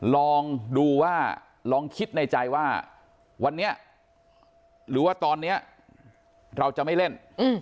ลองดูว่าลองคิดในใจว่าวันนี้หรือว่าตอนนี้เราจะไม่เล่น